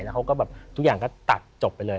แล้วเขาก็แบบทุกอย่างก็ตัดจบไปเลย